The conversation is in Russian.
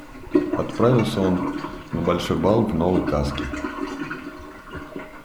Отправился он на большой бал в новой каске.